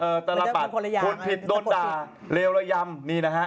คนผิดโดนด่าเลวระยำ